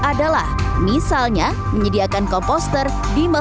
ada pun bantuan yang bisa diberikan pemerintah kota depok